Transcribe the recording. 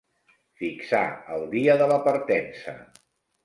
Fixar el dia de la partença.